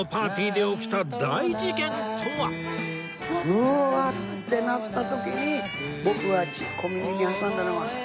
グラッてなった時に僕が小耳に挟んだのは。